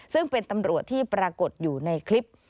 ซึ่งเป็นตำรวจที่ปรากฏอยู่ในคลิป